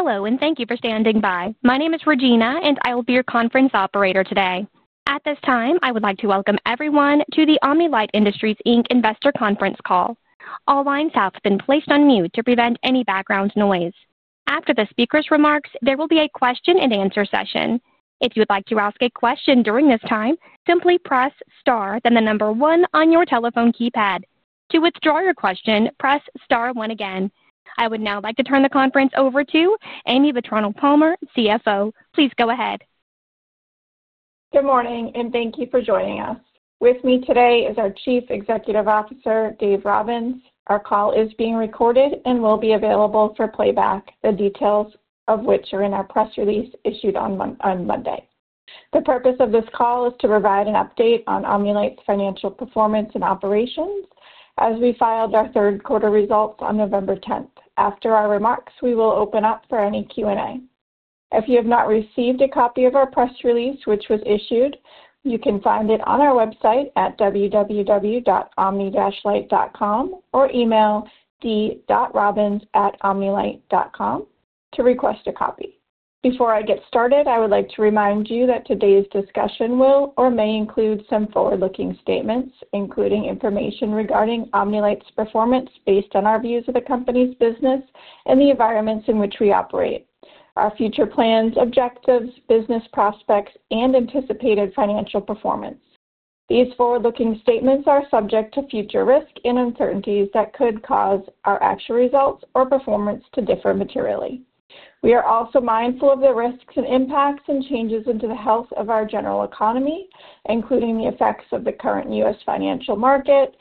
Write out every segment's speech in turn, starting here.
Hello, and thank you for standing by. My name is Regina, and I will be your conference operator today. At this time, I would like to welcome everyone to the Omni-Lite Industries Investor Conference Call. All lines have been placed on mute to prevent any background noise. After the speaker's remarks, there will be a question-and-answer session. If you would like to ask a question during this time, simply press star, then the number one on your telephone keypad. To withdraw your question, press star one again. I would now like to turn the conference over to Amy Vetrano-Palmer, CFO. Please go ahead. Good morning, and thank you for joining us. With me today is our Chief Executive Officer, Dave Robbins. Our call is being recorded and will be available for playback, the details of which are in our press release issued on Monday. The purpose of this call is to provide an update on Omni-Lite's financial performance and operations as we filed our third quarter results on November 10th. After our remarks, we will open up for any Q&A. If you have not received a copy of our press release, which was issued, you can find it on our website at www.omnilite.com or email d.robbins@omnilite.com to request a copy. Before I get started, I would like to remind you that today's discussion will or may include some forward-looking statements, including information regarding Omni-Lite's performance based on our views of the company's business and the environments in which we operate, our future plans, objectives, business prospects, and anticipated financial performance. These forward-looking statements are subject to future risk and uncertainties that could cause our actual results or performance to differ materially. We are also mindful of the risks and impacts and changes in the health of our general economy, including the effects of the current U.S. financial market,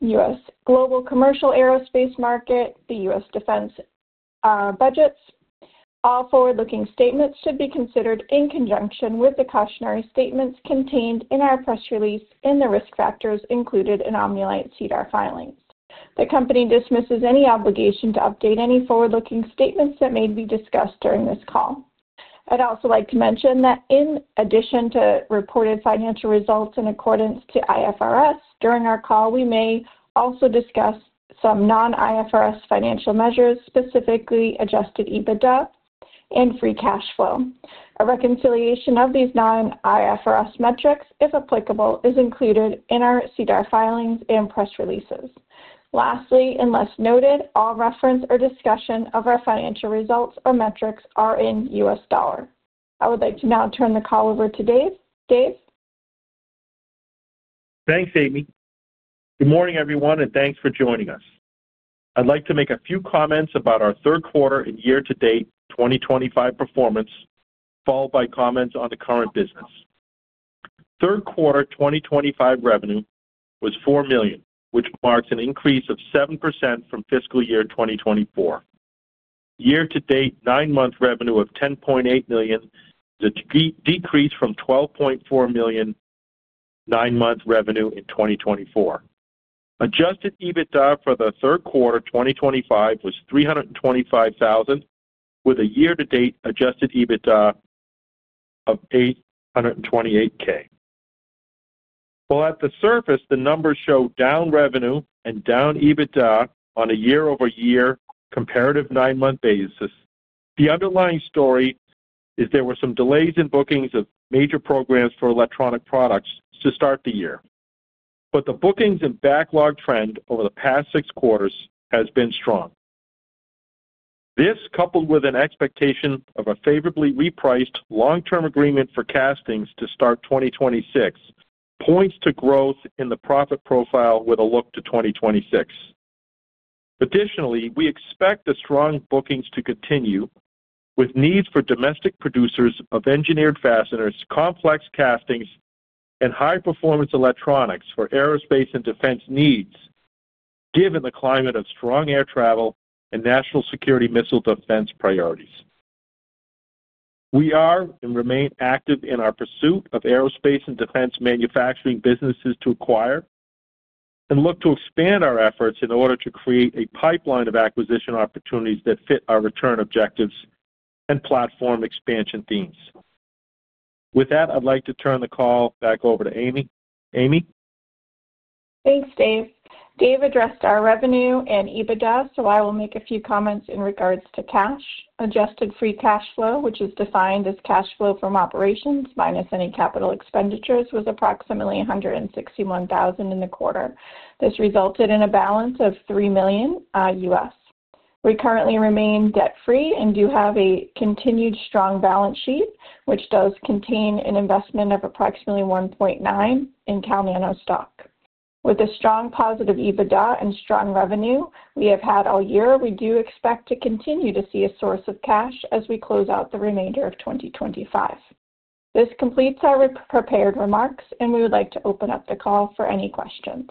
U.S. global commercial aerospace market, and the U.S. defense budgets. All forward-looking statements should be considered in conjunction with the cautionary statements contained in our press release and the risk factors included in Omni-Lite's SEDAR filings. The company dismisses any obligation to update any forward-looking statements that may be discussed during this call. I'd also like to mention that in addition to reported financial results in accordance to IFRS, during our call, we may also discuss some non-IFRS financial measures, specifically adjusted EBITDA and free cash flow. A reconciliation of these non-IFRS metrics, if applicable, is included in our SEDAR filings and press releases. Lastly, and less noted, all reference or discussion of our financial results or metrics are in U.S. dollars. I would like to now turn the call over to Dave. Dave? Thanks, Amy. Good morning, everyone, and thanks for joining us. I'd like to make a few comments about our third quarter and year-to-date 2025 performance, followed by comments on the current business. Third quarter 2025 revenue was $4 million, which marks an increase of 7% from fiscal year 2024. Year-to-date nine-month revenue of $10.8 million is a decrease from $12.4 million nine-month revenue in 2024. Adjusted EBITDA for the third quarter 2025 was $325,000, with a year-to-date adjusted EBITDA of $828,000. While at the surface, the numbers show down revenue and down EBITDA on a year-over-year comparative nine-month basis, the underlying story is there were some delays in bookings of major programs for electronic products to start the year. The bookings and backlog trend over the past six quarters has been strong. This, coupled with an expectation of a favorably repriced long-term agreement for castings to start 2026, points to growth in the profit profile with a look to 2026. Additionally, we expect the strong bookings to continue, with needs for domestic producers of engineered fasteners, complex castings, and high-performance electronics for aerospace and defense needs, given the climate of strong air travel and national security missile defense priorities. We are and remain active in our pursuit of aerospace and defense manufacturing businesses to acquire and look to expand our efforts in order to create a pipeline of acquisition opportunities that fit our return objectives and platform expansion themes. With that, I'd like to turn the call back over to Amy. Amy? Thanks, Dave. Dave addressed our revenue and EBITDA, so I will make a few comments in regards to cash. Adjusted free cash flow, which is defined as cash flow from operations minus any capital expenditures, was approximately $161,000 in the quarter. This resulted in a balance of $3 million U.S. We currently remain debt-free and do have a continued strong balance sheet, which does contain an investment of approximately $1.9 million in CALNANO stock. With a strong positive EBITDA and strong revenue we have had all year, we do expect to continue to see a source of cash as we close out the remainder of 2025. This completes our prepared remarks, and we would like to open up the call for any questions.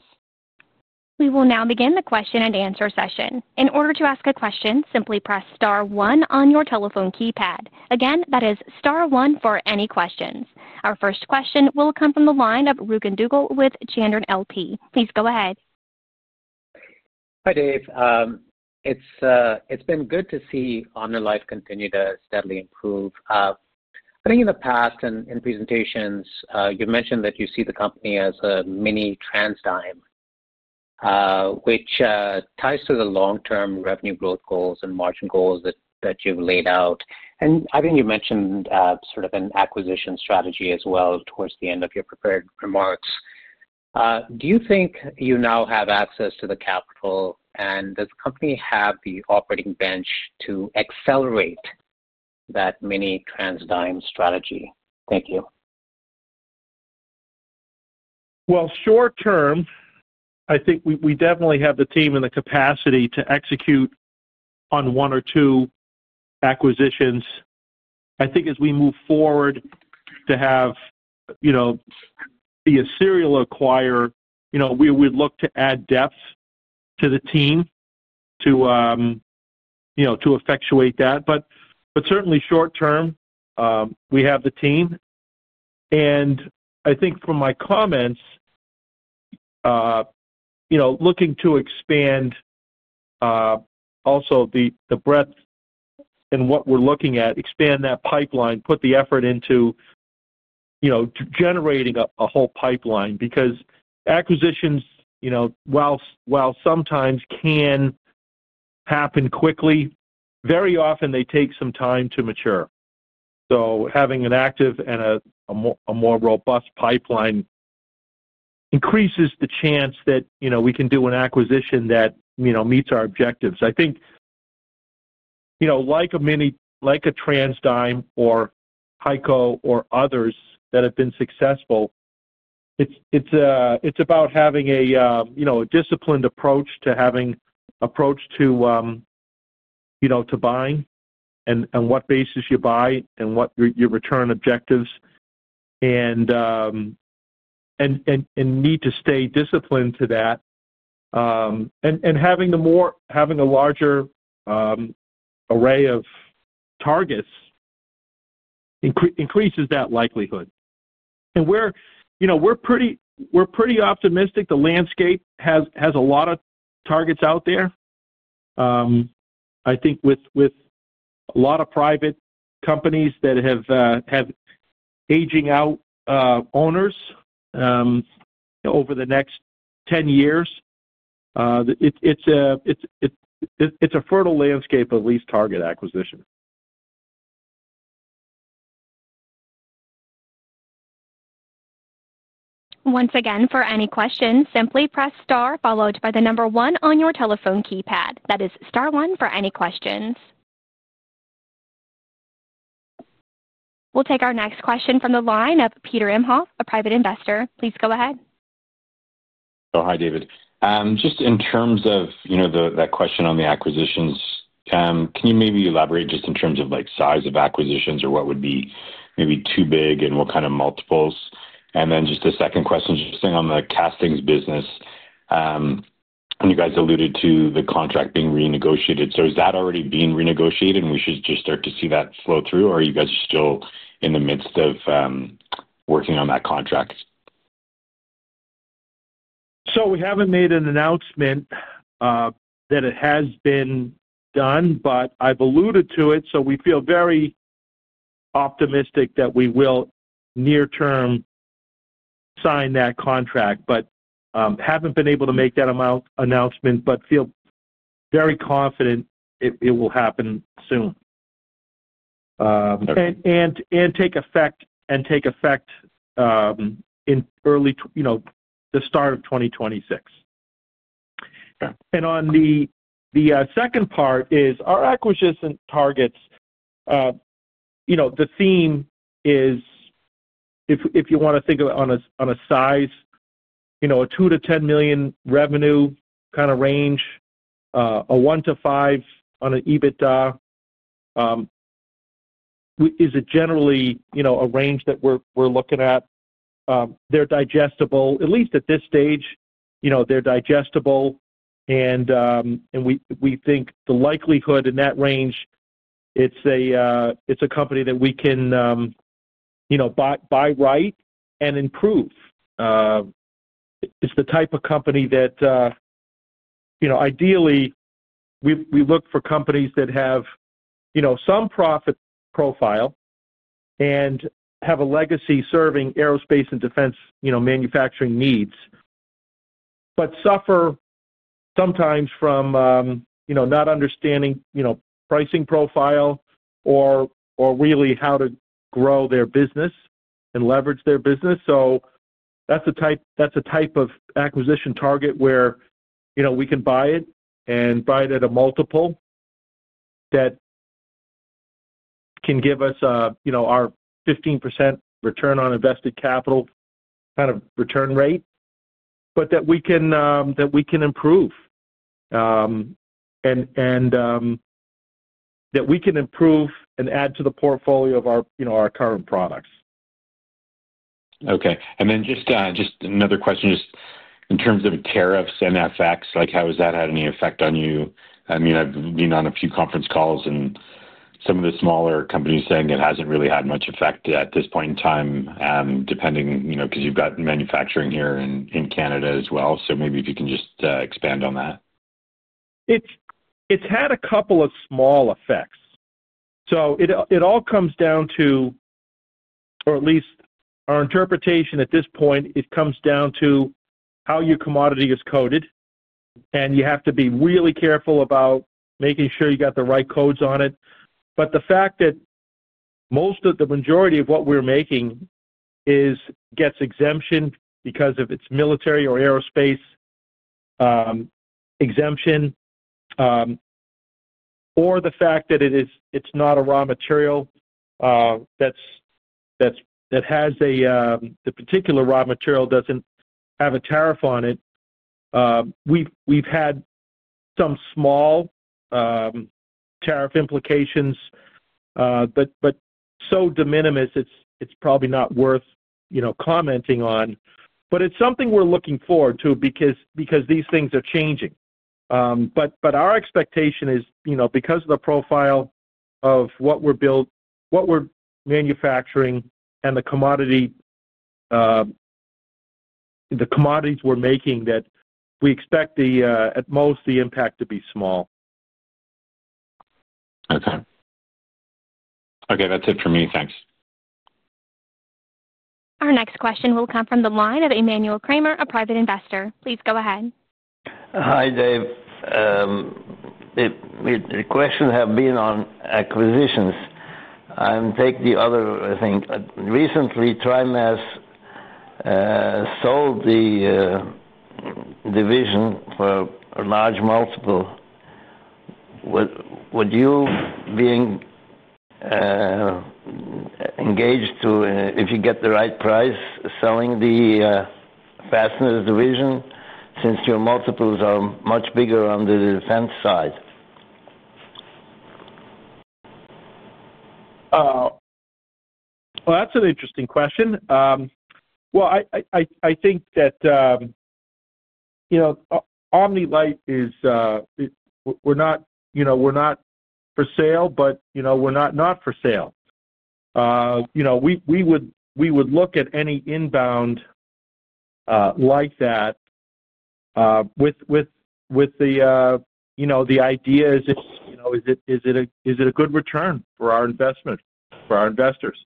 We will now begin the question-and-answer session. In order to ask a question, simply press star one on your telephone keypad. Again, that is star one for any questions. Our first question will come from the line of Roogan Dougal with Chandron LP. Please go ahead. Hi, Dave. It's been good to see Omni-Lite continue to steadily improve. I think in the past and in presentations, you mentioned that you see the company as a mini TransDigm, which ties to the long-term revenue growth goals and margin goals that you've laid out. I think you mentioned sort of an acquisition strategy as well towards the end of your prepared remarks. Do you think you now have access to the capital, and does the company have the operating bench to accelerate that mini TransDigm strategy? Thank you. Short term, I think we definitely have the team and the capacity to execute on one or two acquisitions. I think as we move forward to be a serial acquirer, we would look to add depth to the team to effectuate that. Certainly, short term, we have the team. I think from my comments, looking to expand also the breadth in what we're looking at, expand that pipeline, put the effort into generating a whole pipeline because acquisitions, while sometimes can happen quickly, very often they take some time to mature. Having an active and a more robust pipeline increases the chance that we can do an acquisition that meets our objectives. I think like a TransDigm or HEICO or others that have been successful, it's about having a disciplined approach to having an approach to buying and what basis you buy and what your return objectives and need to stay disciplined to that. Having a larger array of targets increases that likelihood. We're pretty optimistic. The landscape has a lot of targets out there. I think with a lot of private companies that have aging out owners over the next 10 years, it's a fertile landscape of these target acquisitions. Once again, for any questions, simply press star, followed by the number one on your telephone keypad. That is star one for any questions. We'll take our next question from the line of Peter Imhoff, a private investor. Please go ahead. Hi, David. Just in terms of that question on the acquisitions, can you maybe elaborate just in terms of size of acquisitions or what would be maybe too big and what kind of multiples? The second question, just on the castings business, and you guys alluded to the contract being renegotiated. Is that already being renegotiated, and we should just start to see that flow through, or are you guys still in the midst of working on that contract? We have not made an announcement that it has been done, but I have alluded to it, so we feel very optimistic that we will near-term sign that contract. We have not been able to make that announcement, but feel very confident it will happen soon and take effect at the start of 2026. On the second part, our acquisition targets, the theme is, if you want to think of it on a size, a $2 million-$10 million revenue kind of range, a $1 million-$5 million on an EBITDA is generally a range that we are looking at. They are digestible. At least at this stage, they are digestible, and we think the likelihood in that range, it is a company that we can buy right and improve. It's the type of company that ideally we look for, companies that have some profit profile and have a legacy serving aerospace and defense manufacturing needs but suffer sometimes from not understanding pricing profile or really how to grow their business and leverage their business. That's a type of acquisition target where we can buy it at a multiple that can give us our 15% return on invested capital kind of return rate, but that we can improve and add to the portfolio of our current products. Okay. And then just another question, just in terms of tariffs and FX, how has that had any effect on you? I mean, I've been on a few conference calls, and some of the smaller companies saying it hasn't really had much effect at this point in time because you've got manufacturing here in Canada as well. Maybe if you can just expand on that. It's had a couple of small effects. It all comes down to, or at least our interpretation at this point, it comes down to how your commodity is coded, and you have to be really careful about making sure you got the right codes on it. The fact that the majority of what we're making gets exemption because of its military or aerospace exemption or the fact that it's not a raw material, that a particular raw material doesn't have a tariff on it, we've had some small tariff implications, but so de minimis it's probably not worth commenting on. It's something we're looking forward to because these things are changing. Our expectation is because of the profile of what we're manufacturing and the commodities we're making that we expect at most the impact to be small. Okay. Okay. That's it for me. Thanks. Our next question will come from the line of Emmanuel Kramer, a private investor. Please go ahead. Hi, Dave. The questions have been on acquisitions. I'll take the other thing. Recently, TriMas sold the division for a large multiple. Would you be engaged to, if you get the right price, selling the fasteners division since your multiples are much bigger on the defense side? That's an interesting question. I think that Omni-Lite is we're not for sale, but we're not not for sale. We would look at any inbound like that with the idea is, is it a good return for our investment, for our investors?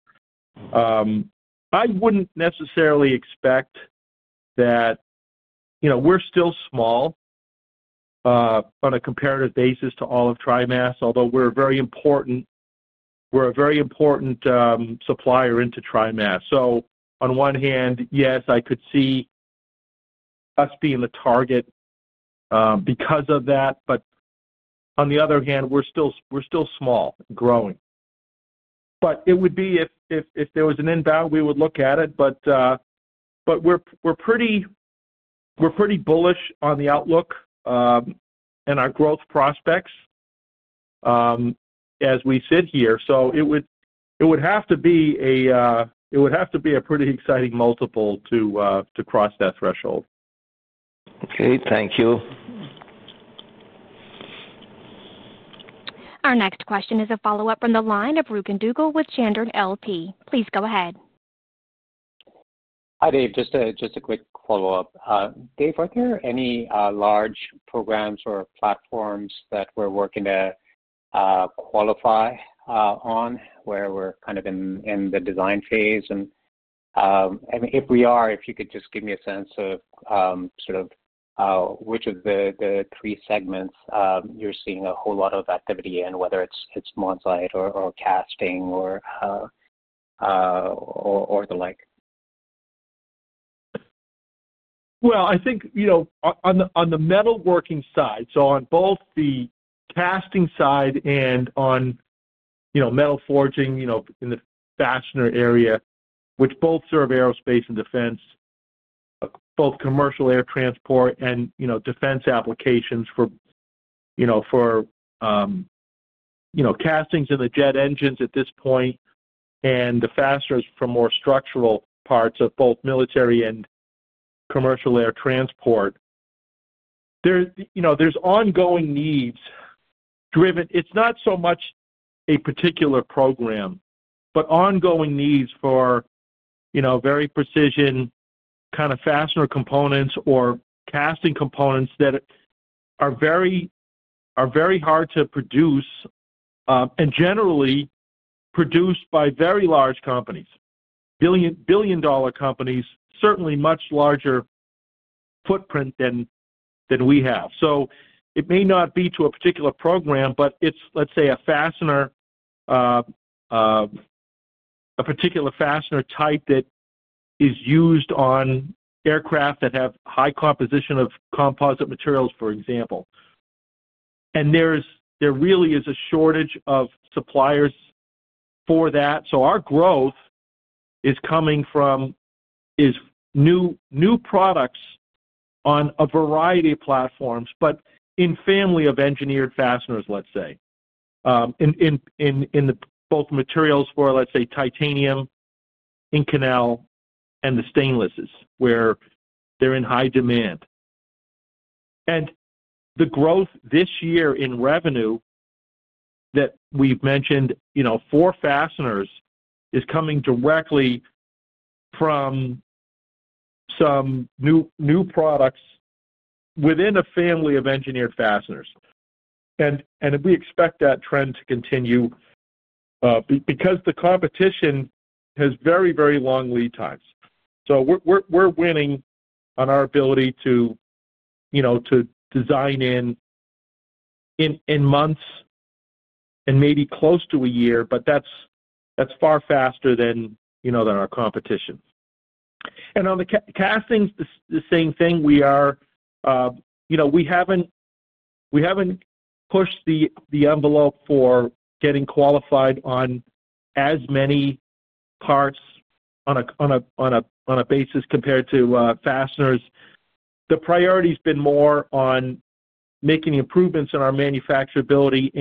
I wouldn't necessarily expect that. We're still small on a comparative basis to all of TriMas, although we're a very important supplier into TriMas. On one hand, yes, I could see us being the target because of that. On the other hand, we're still small and growing. If there was an inbound, we would look at it. We're pretty bullish on the outlook and our growth prospects as we sit here. It would have to be a pretty exciting multiple to cross that threshold. Okay. Thank you. Our next question is a follow-up from the line of Roogan Dougal with Chandron LP. Please go ahead. Hi, Dave. Just a quick follow-up. Dave, are there any large programs or platforms that we're working to qualify on where we're kind of in the design phase? If we are, if you could just give me a sense of sort of which of the three segments you're seeing a whole lot of activity in, whether it's Omni-Lite or casting or the like. I think on the metalworking side, so on both the casting side and on metal forging in the fastener area, which both serve aerospace and defense, both commercial air transport and defense applications for castings in the jet engines at this point and the fasteners for more structural parts of both military and commercial air transport, there's ongoing needs driven. It's not so much a particular program, but ongoing needs for very precision kind of fastener components or casting components that are very hard to produce and generally produced by very large companies, billion-dollar companies, certainly much larger footprint than we have. It may not be to a particular program, but it's, let's say, a particular fastener type that is used on aircraft that have high composition of composite materials, for example. There really is a shortage of suppliers for that. Our growth is coming from new products on a variety of platforms, but in family of engineered fasteners, let's say, in both materials for, let's say, titanium, Inconel, and the stainlesses where they're in high demand. The growth this year in revenue that we've mentioned for fasteners is coming directly from some new products within a family of engineered fasteners. We expect that trend to continue because the competition has very, very long lead times. We're winning on our ability to design in months and maybe close to a year, but that's far faster than our competition. On the castings, the same thing. We haven't pushed the envelope for getting qualified on as many parts on a basis compared to fasteners. The priority has been more on making improvements in our manufacturability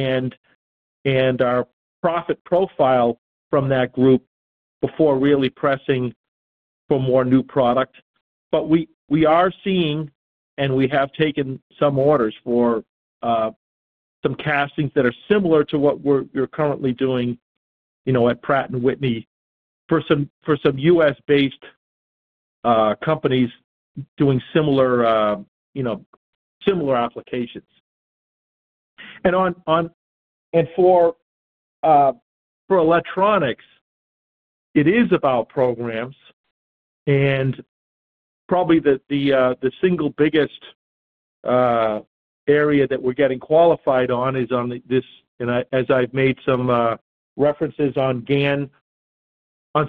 and our profit profile from that group before really pressing for more new product. We are seeing, and we have taken some orders for some castings that are similar to what we're currently doing at Pratt & Whitney for some U.S. based companies doing similar applications. For electronics, it is about programs. Probably the single biggest area that we're getting qualified on is on this, and as I've made some references on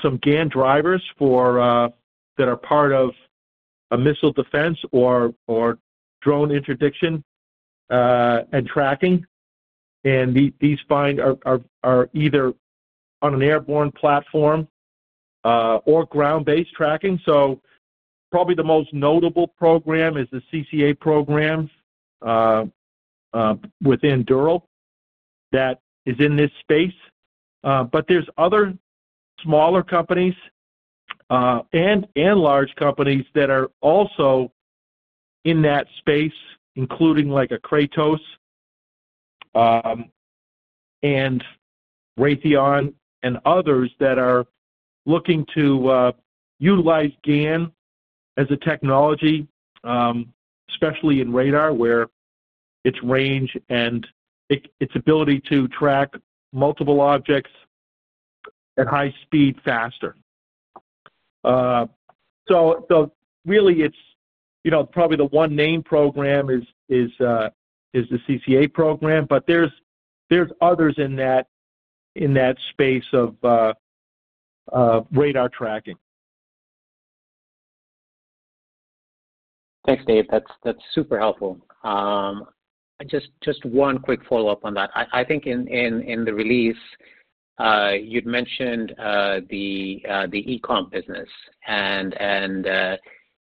some GaN drivers that are part of a missile defense or drone interdiction and tracking. These are either on an airborne platform or ground-based tracking. Probably the most notable program is the CCA program within Durrell that is in this space. There are other smaller companies and large companies that are also in that space, including Kratos and Raytheon and others that are looking to utilize GaN as a technology, especially in radar where its range and its ability to track multiple objects at high speed faster. Really, probably the one name program is the CCA program, but there are others in that space of radar tracking. Thanks, Dave. That's super helpful. Just one quick follow-up on that. I think in the release, you'd mentioned the eComp business. And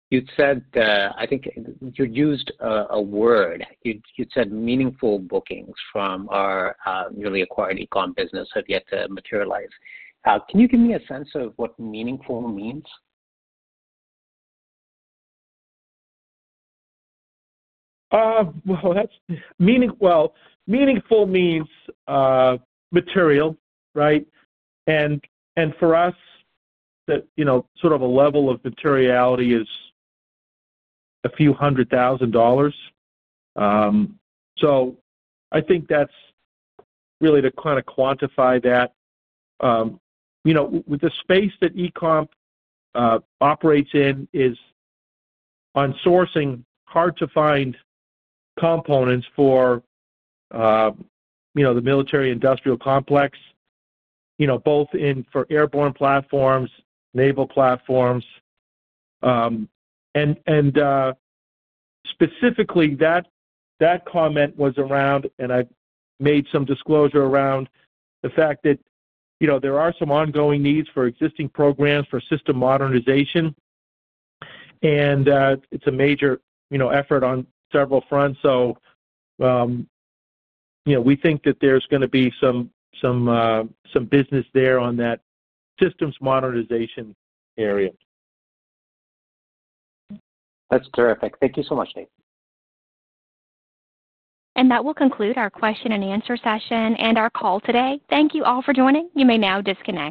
you'd said, I think you'd used a word. You'd said meaningful bookings from our newly acquired eComp business have yet to materialize. Can you give me a sense of what meaningful means? Meaningful means material, right? For us, sort of a level of materiality is a few hundred thousand dollars. I think that is really to kind of quantify that. The space that eComp operates in is on sourcing hard-to-find components for the military-industrial complex, both for airborne platforms and naval platforms. Specifically, that comment was around, and I made some disclosure around the fact that there are some ongoing needs for existing programs for system modernization. It is a major effort on several fronts. We think that there is going to be some business there on that systems modernization area. That's terrific. Thank you so much, Dave. That will conclude our question-and-answer session and our call today. Thank you all for joining. You may now disconnect.